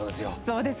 そうです。